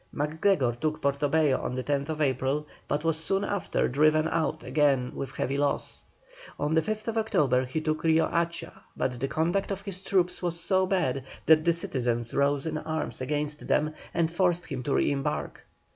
MacGregor took Portobello on the 10th April, but was soon after driven out again with heavy loss. On the 5th October he took Rio Hacha, but the conduct of his troops was so bad that the citizens rose in arms against them, and forced him to re embark.